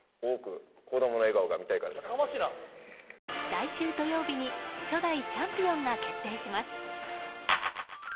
来週土曜日に初代チャンピオンが決定します。